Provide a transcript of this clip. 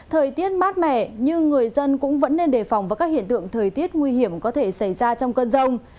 thời tiết mát mẻ nhưng người dân cũng vẫn nên đề phòng vào các hiện tượng thời tiết nguy hiểm có thể xảy ra trong cơn rông